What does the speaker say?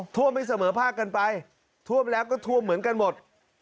ไม่เสมอภาคกันไปท่วมแล้วก็ท่วมเหมือนกันหมด